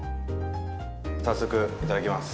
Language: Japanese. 早速いただきます。